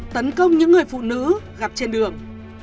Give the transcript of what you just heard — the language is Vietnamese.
tấn công những người phụ nữ gặp trên đường